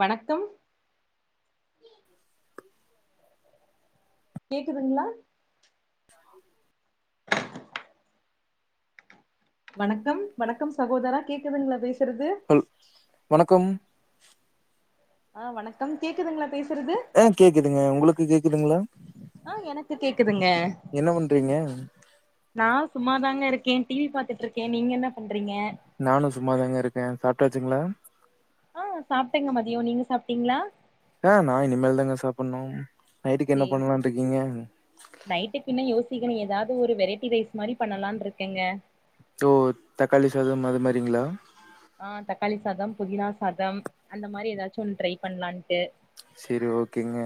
வணக்கம் கேக்குதுங்களா வணக்கம் வணக்கம் சகோதரா கேக்குதுங்களா பேசு ஹல் வணக்கம் ஆஹ் வணக்கம் கேக்குதுங்களாப் ஆ கேக்குதுங்க உங்களுக்கு கேக்குதுங்குளா ஆ எனக்கு கேக்குதுங்க என்ன பண்றீங்க அ இருக்கேன் டி வி பாத்துட்ருக்கே நீங்க என்ன பண்றீங்க நானு சும்மாதாங்க இருக்கே சாப்ட்டாச்சுங்ளா ஆ சாப்ட்டேங்க மதியோ நீங்க சாப்ட்டீங்ளா ஆஹ் நான் இனிமேல் தாங்க சாப்பிட்ணும் சேரி சேரி நைட்டுக்கு இன்னும் யோசிக்கணும் ஏதாவது ஒரு வெரைட்டி ரைஸ் மாரி பண்ணலான்னு இருக்கேங்க ஓ தக்காளி சாதம் அது மாதிரிங்களா ஆஹ் தக்காளி சாதம் புதினா சாதம் அந்த மாரி ஏதாச்சும் ஒண்ணு ட்ரை பண்ணலான்ட்டு செரி ஓகேங்க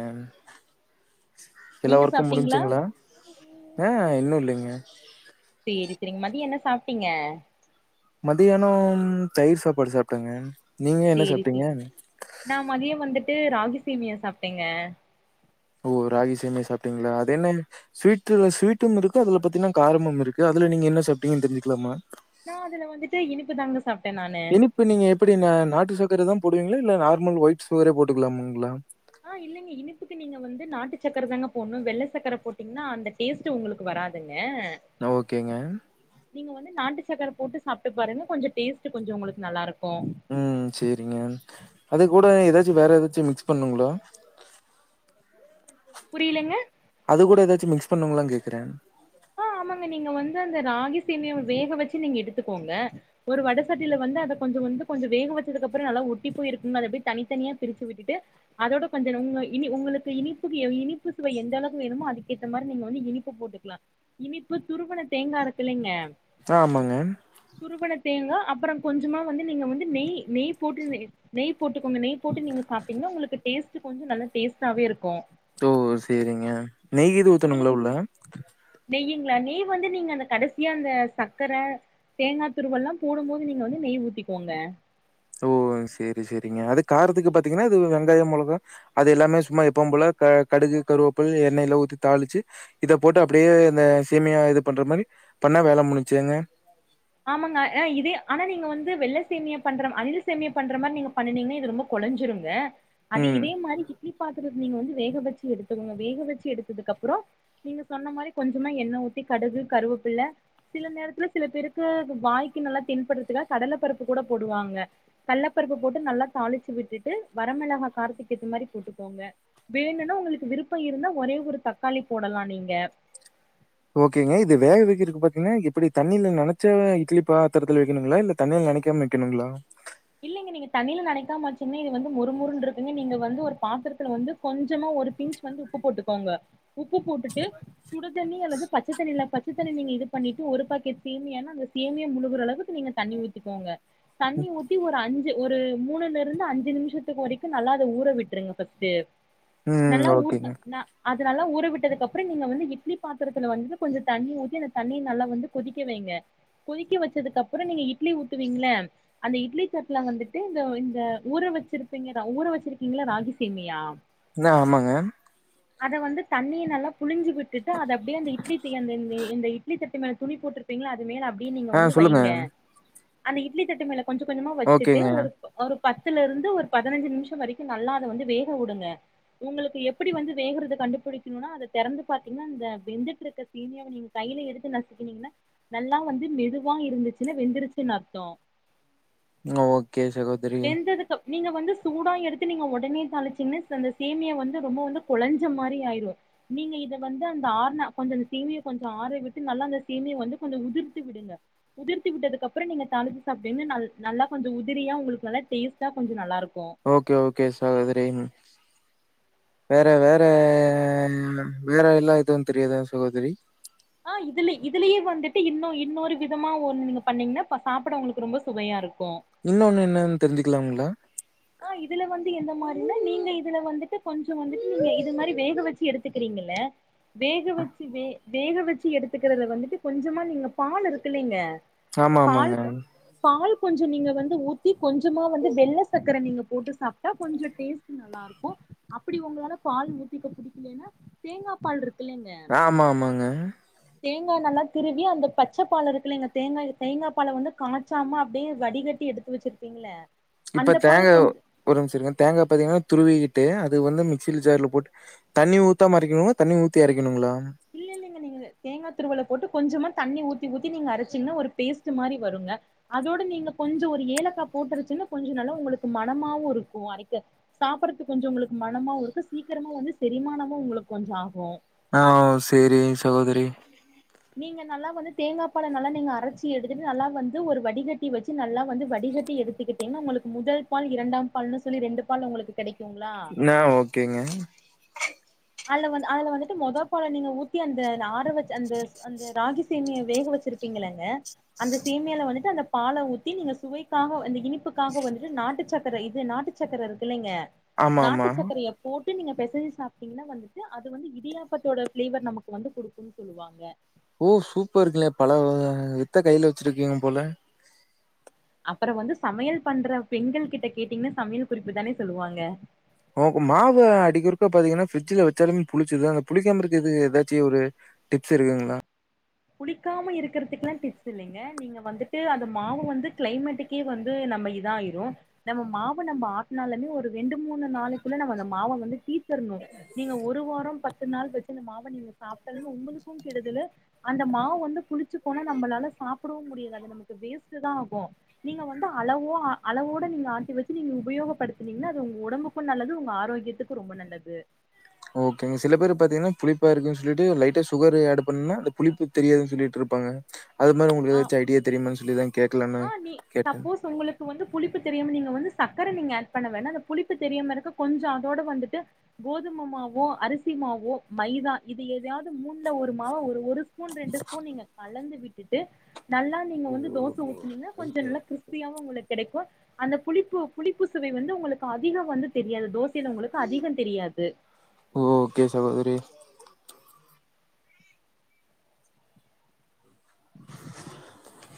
எல்லா நீங்க வொர்க்கும் சாப்ட்டீங்களா முடிஞ்ச்சுங்களா ஆஹ் இன்னும் இல்லங்க சரி சரிங் மதியம் என்ன சாப்ட்டீங்க மத்தியானம் தயிர் சாப்பாடு சாப்பிட்டேங்க நீங்க என்ன சாப்பிட்டீங்க ட்டு ராகி சேமியா சாப்பிட்டேங்க ஓ ராகி சேமியா சாப்பிட்டீங்களா அது என்ன ஸ்வீட்டுல ஸ்வீட்டும் இருக்கு அதுல பாத்தீங்கன்னா காரமும் இருக்கு அதுல நீங்க என்ன சாப்பிட்டீங்கன்னு தெரிஞ்சுக்கலாமா நான் அதுல வந்துட்டு இனிப்பு தாங்க சாப் இனிப்பு நீங்க எப்படி இந்த நாட்டு சக் ர தான் போடுவீங்களா இல்ல நார்மல் ஒயிட் சுகரே போட்டுக்கலாம்ங்களா ஆ இல்லைங்க இனிப்புக்கு நீங்க வந்து நாட்டு சக்கர தாங்க போடணும் வெள்ள சக்கர போட்டீங்கன்னா அந்த டேஸ்ட் உங்களுக்கு வராதுங்க ஓகேங்க நீங்க வந்து நாட்டு சக்கர போட்டு சாப்ட்டு பாருங்க கொஞ்ச டேஸ்டு கொஞ்ச உங்களுக்கு நல்லாயிருக்கு ம் சேரிங்க அது கூ ட ஏதாச்சு வேற ஏதாச்சு மிக்ஸ் பண்ணுங்ளா புரியலங்க அது கூட ஏதாச்சு மிக்ஸ் பண்ணுங்களா கேக்குறே ஆ ஆமாங்க நீங்க வந்து அந்த ராகி சேமியாவ வேக வச்சு நீங்க எடுத்துக்கோங்க ஒரு வட சட்டில வந்து அத கொஞ்சோ வந்து கொஞ்சோ வேக வச்சதுக்கப்பற நல்லா ஒட்டி போய் இருக்குங்க அத அப்டியே தனித்தனியா பிரிச்சு விட்டுட்டு அதோட கொஞ்ச உங்க இனி உங்களுக்கு இனிப்புக்கு இனிப்பு சுவை எந்த அளவு வேணுமோ அதுக்கேத்த மாரி நீங்க வந்து இனிப்பு போட்டுக்லா இனிப்பு துருவன தேங்கா இருக்குல்லைங்க ஆ ஆமாங்க. துருவன தேங்கா அப்ற கொஞ்சமா வந்து நீங்க வந்து நெய் நெய் போட்டு நெய் போட்டுக்கோங்க நெய் போட்டு நீங்க சாப்டிங்கனா உங்களுக்கு டேஸ்ட்டு கொஞ்சோ நல்ல டேஸ்டாவே இருக்கு ஓ சேரிங்க நெய்கீது உங்களுக்கு ஊத்தணுங்களா உள்ள நெய்யுங்களா நெய் வந்து நீங்க அந்த கடைசியா அந்த சக்கர தேங்கா துருவல்லா போடும்போது நீங்க வந்து நெய் ஊத்திக்கோங்க ஓ சேரி சேரிங்க அது காரத்துக்கு பாத்தீங்கனா அது வெங்காயோ மெளகா அது எல்லாமே சும்மா எப்பவுபோல க கடுகு கருவேப்பல் எண்ணெய்லா ஊத்தி தாளிச்சி இத போட்டு அப்டியே இந்த சேமியா இது பண்ற மாரி பண்ணா வேல முடிஞ்சி ஏங்க ஆமாங்க ஆ இதே ஆனா நீங்க வந்து வெள்ள சேமியா பண்ற அணில் சேமியா பண்ற மாரி நீங்க பண்ணுனீங்கனா இது ரொம்ப கொலஞ்சிருங்க அது ம். இதே மாறி இட்லி பாத்திர நீங்க வந்து வேக வச்சு எடுத்துக்குங்க வேக வச்சு எடுத்ததுக்கப்றறோ நீங்க சொன்ன மாரி கொஞ்சமா எண்ண ஊத்தி கடுகு, கருவப்பில்ல சில நேரத்துல சில பேரு க்கு வாய்க்கு நல்லா தென்பட்றதுக்கா கடல பருப்பு கூட போடுவாங்க கல்லப்பருப்பு போட்டு நல்லா தாளிச்சு விட்டுட்டு வரமிளகா காரத்துக்கேத்த மாரி போட்டுக்கோங்க வேணுனா உங்களுக்கு விருப்போ இருந்தா ஒரே ஒரு தக்காளி போடலா நீங்க ஓகேங்க இது வேக வெக்கறக்கு பாத்தீங்னா எப்டி தண்ணீல நனச்சா இட்லிப் பாத்தரத்துல வெக்கணுங்களா இல்ல தண்ணீல நனைக்காம் வெக்கணுங்களா இல்லைங்க நீங்க தண்ணீல நனைக்காம் வச்சீங்ன்னா இது வந்து மொருமொருன்ருக்குங்க நீங்க வந்து ஒரு பாத்தரத்துல வந்து கொஞ்சமா ஒரு பின்ச் வந்து உப்பு போட்டு கோங்க உப்பு போட்டுட்டு சுடு தண்ணி அல்லது பச்சத்தண்ணில பச்சத்தண்ணி நீங்க இது பண்ணிட்டு ஒரு பாக்கெட் சேமியானா அந்த சேமியா முழுகற அளவுக்கு நீங்க தண்ணி ஊத்திக்கோங்க தண்ணி ஊத் அஞ்சு ஒரு மூனுலருந்து அஞ்சு நிம்ஷத்துக் வரைக்கு நல்லா அத ஊற விட்ருங்க ஃபஸ்ட்டு ம். நல்லா ஊறுன ஓகேங்க. ந அ இது நல்லா ஊற விட்டதுக்கப்பறோ நீங்க வந்து இட்லி பாத்தரத்துல வந்து கொஞ்ச தண்ணி ஊத்தி அந்த தண்ணி நல்லா வந்து கொதிக்க வைங்க கொதிக்க வச்சதுக்கப்பறோ நீங்க இட்லி ஊத்துவீங்ல அந்த இ இட்லி தட்ல வந்துட்டு இந்த இந்த ஊற வச்சிருப்பீங்க த ஊற வச்சிருக்கீங்ல ராகி சேமியா இந்த ஆமாங்க அத வந்து தண்ணிய நல்லா புழிஞ்சு வி ட்டுட்டு அத அப்டியே அந்த இட்லி தி அந்த ந்தே இந்த இட்லி தட்டு மேல துணி போட்ருப்பீங்ல அது மேல அப் டியே நீங்க ஆ வந்து சொல்லுங்க. வைங்க அந்த இட்லி தட்டு மேல கொஞ்சு கொஞ்சமா வச்சுட்டு ஓகேங்க. ஒரு ஒரு பத்துல இருந்து ஒரு பதனஞ்சு நிம்ஷோ வரைக்கு நல்லா அத வந்து வேகவுடுங்க உங்களுக்கு எப்டி வந்து வேகறத கண்டுபிடிக்கணுனா அத தெறந்து பாத்தீங்கனா அந்த வெந்துட்ருக்க சேமியாவ நீங்க கைல எடுத்து நசுக்னீங்கனா நல்லா வந்து மெதுவா இருந்துச்சுனா வெந்துருச்சுன் அர்த்தோ ம் ஓகே சகோதரி வெந்ததுக்கு அப் நீங்க வந்து சூடா எடுத்து நீங்க ஒடனே தாளிச்சீங்ன்னா ச அந்த சேமியா வந்து ரொம்ப வந்து கொழஞ்ச மாரி ஆயிரு நீங்க இத வந்து அந்த ஆறுன கொஞ்ச அந்த சேமியா கொஞ்சோ ஆற விட்டு நல்லா அந்த சேமியா வந்து கொஞ்சோ உதிர்த்து விடுங்க உதிர்த்தி விட்டதுக்கப்பறோ நீங்க தாளிச்சு சாப்ட்டீங்ன்னா நல் நல்லா கொஞ்ச உதிரியா உங்களுக் நல்லா டேஸ்ட்டா கொஞ்ச நல்லாருக் ஓகே ஓகே சகோதரி வேற வேற ம் வேற எல்லா எது தெரியாதா சகோதரி ஆஹ் இதுலே இதுலயே வந்துட்டு இன்னு இன்னோரு விதமா ஒன்னு நீங்க பண்ணீங்னா ப சாப்பட உங்களுக்கு ரொம்ப சுவையா இரு இன்னோனு என்னன் தெரிஞ்சுக்கலாம்களா ஆஹ் இதுல வந்து எந்த மாரினா நீங்க இதுல வந்துட்டு கொஞ்சோ வந்துட்டு நீங்க இது மாரி வேக வெச்சு எடுத்துக்கிறீங்கல்ல வேக வச்சு வே வேக வச்சு எடுத்துக்கறதுல வந்துட்டு கொஞ்சமா நீங்க பால் இருக்குலீங்க ஆமா ஆமாங்க கொஞ்சோ நீங்க வந்து ஊத்தி கொஞ்சமா வந்து வெள்ள சக்கர நீங்க போட்டு சாப்ட்டா கொஞ்சோ டேஸ்ட்டு நல்லாருக்கு அப்டி உங்களால பால் ஊத்திக்க புடிக்கலேன்னா தேங்கா பால்ருக் ஆமா ஆமாங்க தேங்கா நல்லா திருவி அந்த பச்சப்பால் இருக்குல்லீங்க தேங்காய் தேங்கா பால வந்து காச்சாம அப்டியே வடிகட்டி எடுத்து வச்சிருப்பீங்கல்ல இப்ப தேங்கா ஒரு நிம்ஸ்சிருங்க தேங்கா பாத்தீங்னா துருவிக்கிட்டு அது வந்து மிக்சி ஜார்ல போட்டு தண்ணி ஊத்தாம அரைக்கணுமா தண்ணி ஊத்தி அரைக்கணுங்ளா இல்ல இல்லைங்க நீங்க தேங்காய் திருவல போட்டு கொஞ்சமா தண்ணி ஊத்தி ஊத்தி நீங்கள் அரைச்சிங்கன்னா ஒரு பேஸ்ட்ட் மாரி வருங்க அதோடு நீங்க கொஞ்சம் ஒரு ஏலக்காய் போட்டுருச்சின்ன்னா கொஞ்சம் நள்ள உங்களுக்கு மனமாவும் இருக்கும் அரைக்க சாப்பிடடுறதுக்கு கொஞ்சம் உங்களுக்கு மனமாவும் இருக்கும் சீக்கிரமா வந்து செரிமானமவும் உங்களுக்கு கொஞ்சம் ஆகும் ஆஹ் சேரிங் சகோதரி நீங்க நல்லா வந்து தேங்காய் பால நல்லா நீங்க அரைச்சி எடுத்துட்டு நல்லா வந்து ஒரு வடிகட்டி வச்சு நல்லா வந்து வடிகட்டி எடுத்துக்கிட்டீங்கன்னா உங்களுக்கு முதல் பால் இரண்டாம் பால்னுு சொல்லி ரெண்டு பால் உங்களுக்கு கிடைக்கும் ந ஓகேங்க அதுல வந்து அதுல வந்துட்டு மொத பாலை நீங்க ஊத்தி அந்த ஆற வச்ச அந்த அந்த ராகி சேமியா வேக வச்சிருப்பீங்கலங்க அந்த சேமியால வந்துட்டு அந்த பாலை ஊத்தி நீங்க சுவைக்காக அந்த இனிப்புக்காக வந்துட்டு நாட்டு சக்கர இது நாட்டு சக்கர இருக்குல்லைங்க ஆமா ஆமா நாட்டு சக்கரைய போட்டு நீங்க பெசிஞ்சி சாப்ப பாத்தீங்கன்னா வந்துட்டு அது வந்து இடியாப்பத்தோட பிளேவர் நமக்கு வந்து குடுக்கும்ன்னு சொல்லுவாங்க ஓ சூப்பர்ங்கலே பல வகையான வித்த கைல வச்சிருக்கீங்க போல அப்புறம் வந்து சமையல் பண்ற பெண்கள் கிட்ட கேட்டீங்கன்னா சமையல் குறிப்புதானே சொல்லுவாங்க மாவு அடிக்கொருக்க பாத்தீங்கன்னா ஃப்ரிட்ஜல வச்சாலுமே புளிச்சுது அந்த புளிக்காம இருக்குறதுக்கு ஏதாச்சும் ஒரு டிப்ஸ் இருக்குங்களா புளிக்காம இருக்கிறதுக்குலாம் டிப்ஸ் இல்லைங்க நீங்க வந்துட்டு அந்த மாவை வந்து கிளைமேட்டுக்கே வந்து நம்ம இத ஆயிரும் நம்ம மாவை நம்ம ஆட்டினாலுமே ஒரு ரெண்டு மூணு நாளைக்குள்ள நம்ம அந்த மாவை வந்து தீத் தரனும் நீங்க ஒரு வாரம் பத்து நாள் வச்சு இந்த மாவ நீங்க சாப்டாலும் உங்களுக்கு கெடுதலு அந்த மாவு வந்து புளிச்சு போனா நம்மளால சாப்பிடவும் முடியாது அது நமக்கு வேஸ்டு தான் ஆகும் நீங்க வந்து அளவோ அளவோட நீங்க ஆட்டி வச்சு நீங்க உபயோகப்படுத்துனீங்கன்னா அது உங்க உடம்புக்கும் நல்லது உங்க ஆரோக்கியத்துக்கும் ரொம்ப நல்லது ஓகேங்க சில பேரு பாத்தீங்கன்னா புளிப்பா இருக்குன் சொல்லிட்டு லைட்டா சுகர் ஆட் பண்ணுன்னா அந்த புளிப்பு தெரியாதுன்னு சொல்லிட்டுருப்பாங்க அது மாரி உங்ளுக்கு ஏதாச்சு ஐடியா தெரியுமான் சொல்லிதா கேட் ஆஹ் நீ சப்போஸ் உங்ளுக்கு வந்து புளிப்பு தெரியாம நீங்க வந்து சக்கரை நீங்க ஆட் பண்ண வேணா அந்த புளிப்பு தெரியாம இருக்க கொஞ்சொ அதோட வந்துட்டு கோதும மாவோ அரிசி மாவோ மைதா இது எதயாவது மூண்ல ஒரு மாவ ஒரு ஸ்பூ பூன் ரெண்டு ஸ்பூன் நீங்க கலந்து விட் டு நல்லா நீங்க வந்து தோச ஊத் கொஞ்சொ நல்லா கிறிஸ்பியாவு உங்களுக்கெடைக்கு அந்த புளிப்பு புளிப்பு சுவை வந்து உங்களுக்கு அதிக வந்து தெரியாது தோசைல உங்களுக்கு அதிக தெரியாது ஓகே சகோதரி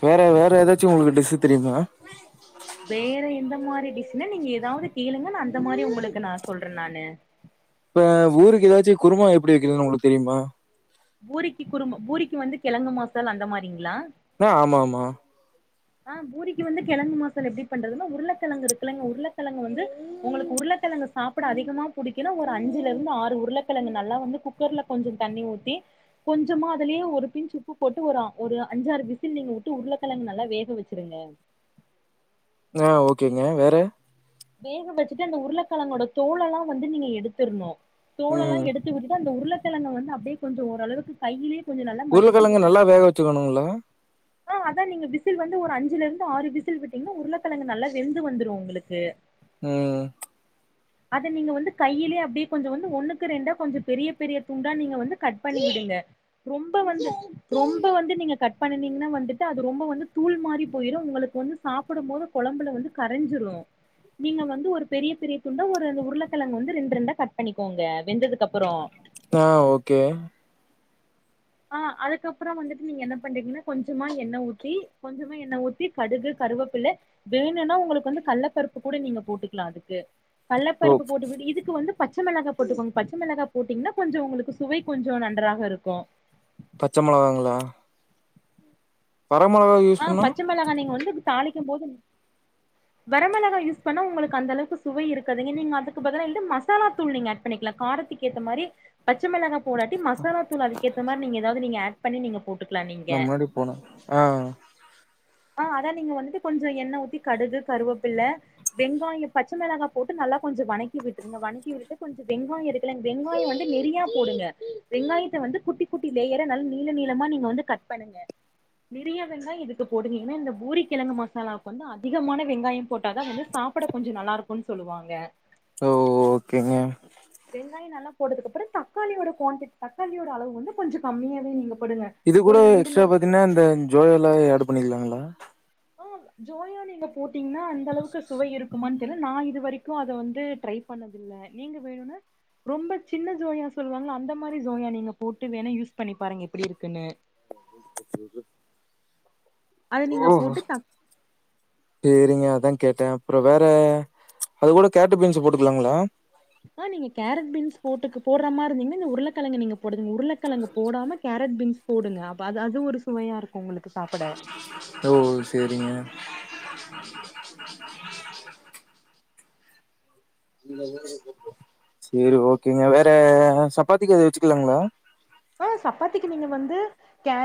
வேற வேற ஏதாச்சு உங்ளுக்கு டிஷ் தெரியுமா டிஷ்ன்ன நீங்க ஏதாவது கேளுங்க நான் அந்த மாரி உங்களுக்கு நா சொல்ற நானு ஆ பூரிக்கு ஏதாச்சு குருமா எப்டி வெக்றதுன்னு உங்ளுக்கு தெரியுமா பூரிக்கு குருமா பூரிக்கு வந்து கெழங்கு மசால் அந்த மாரிங்ளா ஆ ஆமா ஆமா ஆஹ் பூரிக்கு வந்து கெழங்கு மசால் எப்டி பண்றதுன்னா உருளக்கெழங்கு இருக்குல்லங்க உருளக்கெழங்கு வந்து உங்களுக்கு உருளக்கெழங்க சாப்ட அதிகமா புடிக்குன்னா ஒரு அஞ்சுல இருந்து ஆறு உருளக்கெழங்கு நல்லா வந்து குக்கர்ல கொஞ்ச தண்ணி ஊத்தி கொஞ்சமா அதுலயே ஒரு பின்ச் உப்பு போட்டு ஒரு ஒரு அஞ்சாறு விசில் நீங்க விட்டு உருளக்கெழங்கு நல்லா வேக வெச்சிருங்க ஆஹ் ஓகேங்க வேற வேக வெச்சுட்டு அந்த உருளக்கெழங்கோட தோளல்லா வந்து நீங்க எடுத்துர்ணு தோலல்லா ம் எடுத்து விட்டுட்டு அந்த உருள [unintelligible] வந்து அப்டியே கொஞ்சொ ஓரளவுக்கு கையிலே உருளக்கெழங்க நல்லா வேக வெச்சுக்கணுங்ளா ஆஹ் அதான் நீங்க விசில் வந்து ஒரு அஞ்சுல இருந்து ஆறு விசில் விட்டீங்கன்னா உருளக்கெழங்கு நல்லா வெந்து வந்துரு உங்களுக்கு ம் அத நீங்க வந்து கையிலயே அப்டியே கொஞ்ச வந்து ஒண்ணுக்கு ரெண்டா கொஞ்சொ பெரிய பெரிய துண்டா நீங்க வந்து கட் பண்ணிக்விடுங்க ரொம்ப வ ரொம்ப வந்து நீங்க கட் பண்ணி வந்துட்டு அது ரொம்ப வந்து தூள் மாறி போயிரு உங்களுக்கு வந்து சாப்பிடும்போது கொழம்புல வந்து கரஞ்சிரு நீங்க வந்து ஒரு பெரிய பெரிய துண்டா ஒரு உருளக்கெழங்கு வந்து ரெண்டு ரெண்டா கட் பண்ணிக்கோங்க வெந்ததுக்கப்ரோ ஆஹ் ஓகே ஆ அதுக்கப்ரொ வந்துட்டு நீங்க என்ன பண்றிங்கன்னா கொஞ்சமா எண்ண ஊத்தி கொஞ்சமா எண்ண ஊத்தி கடுகு கருவேப்பிலை வேணுன்னா உங்களுக்கு வந்து கள்ளப்பருப்பு கூட நீங்க போட்டுக்லா அதுக்கு ஓ கள்ளப்பருப்பு போட்டுவிட்டு இதுக்கு வந்து பச்சை மிளகா போட்டுக்கோங்க பச்சை மிளகா போட்டீங்ன்னா கொஞ்சொ உங்களுக்கு சுவை கொஞ்சொ நன்றாக இருக்கு பச்சை மொளகாங்களா வரமொளகா யூஸ் ஆ பண்ணா பச்ச மிளகா நீங்க வந்து தாளிக்கும் போது வரமிளகா யூஸ் பண்ணா உங்களுக்கு அந்தளவுக்கு சுவை இருக்காது நீங்க அதுக்கு பதிலா வந்து மசாலா தூள் நீங்க ஆட் பண்ணிக்லா கராத்துக்கேத்தா மாரி பச்சமெளகா போடாட்டி மசாலா தூள் அதுக்கேத்த மாரி நீங்க ஏதாவது நீங்க ஆட் பண்ணி நீங்க போட்டுக்கலா நீங்க நா முன்னாடி போன ஆ ஆஹ் அதா நீங்க வந்துட்டு கொஞ்சொ எண்ண ஊத்தி கடுகு கருவேப்பில்ல வெங்காய பச்சை மிளகா போட்டு நல்லா கொஞ்சொ வதக்கி விட்டுருங்க வணக்கி விட்டுட்டு கொஞ்சொ வெங்காய இருக்கலங்க வெங்காய வந்து நெறையா போடுங்க வெங்காயத்த வந்து குட்டி குட்டி லேயரா நல்லா நீள நீளமா நீங்க வந்து கட் பண்ணுங்க நிறைய வெங்காய இதுக்கு போடுனிங்கனா இந்த பூரி கிழங்கு மசாலாவுக் வந்து அதிகமான வெங்காய போட்டாதா வந்து சாப்புட கொஞ்சோ நல்லா இருக்குனு சொல்வாங்க ஓஹோ ஓகேங்க வெங்காய நல்லா போடுதுக்குப்பற தக்காளியோட குவான்ட் தக்காளியோட அளவு வந்து கொஞ்சோ கம்மியாவே நீங்க போடுங்க இது கூட ஒரு ரெண்டுல எக்ஸ்ட்ரா பாத்தீனா இந்த ஜோய எல்லா ஆட் பண்ணிலாங்களா ஆ ஆ ஜோயோ நீங்க போட் டீங்னா அந்த அளவுக்கு சுவை இருக்குமான் நா இது வரைக்கு அத வந்து ட்ரை பண்ணதில்ல நீங்க வேணுனா ரொம்ப சின்ன ஜோயா சொல்லுவாங்ள அந்த மாரி ஜோயா நீங்க போட்டு வேணா யூஸ் பண்ணி பாருங்க எப்புடி இருக்குனு [unintelligible] அத நீங்க ஓஹோ போட்டு சேரிங்க அதா கேட்ட அப்புற வேற அது கூட கேரட் பீன்ஸ் போட்டுக்லாங்களா ஆ நீங்க கேரட் பீன்ஸ் போட்டுக்கு போட்ற மாரி இருந்தீங்ன இந்த உருளக்கிழங்க நீங்க போடுதிதிதி உருளைக்கிழங்க போடாம கேரட் பீன்ஸ் போடுங்க அப்ப அது அதுவு ஒரு சுவையா இருக்கு உங்ளுக்கு சாப்ட ஓஓ சேரிங்க இல்ல இல்ல சரி ஓகேங்க வேற சப்பாத்திக்கு இத வச்சுக்கலாங்ளா ஆ சப்பாத்திக்கு நீங்க வந்து கேர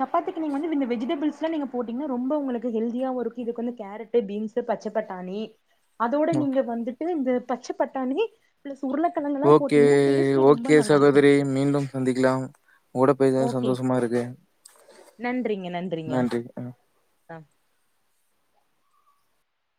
சப்பாத்திக்கு நீங்க வந்து இந்த வெஜிடபிள்ஸ்லா நீங்க போட்டீங்னா ரொம்ப உங்ளுக்கு ஹெல்தியா இருக்கு இதுக்கு வந்து கேரட் பீன்ஸ் பச்ச பட்டாணி அதோட ம். நீங்க வந்துட்டுந்த பச்ச பட்டாணி பிளஸ் உருளைக்கிழங்கெல்லா ஓகே போட்டீங்கன்னா டேஸ்ட் ரொம்ப ஓகே நல்லா இருக்கு சகோதரி மீண்டும் சந்திக்லாம் ஓட பேஸ்னது தான் ஓகே சந்தோஷமா இருக்கு நன்றிங்க நன்றிங்க நன்றி ஆ